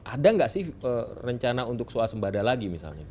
ada nggak sih rencana untuk soal sembada lagi misalnya